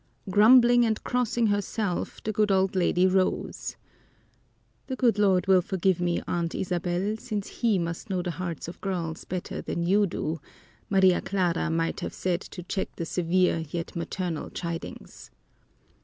Grumbling and crossing herself, the good old lady rose. "The good Lord will forgive me, Aunt Isabel, since He must know the hearts of girls better than you do," Maria Clara might have said to check the severe yet maternal chidings.